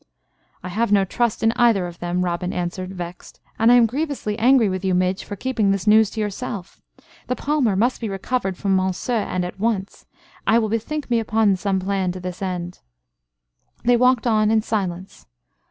"I have no trust in either of them," Robin answered, vexed, "and I am grievously angry with you, Midge, for keeping this news to yourself. The palmer must be recovered from Monceux, and at once. I will bethink me upon some plan to this end." They walked on in silence.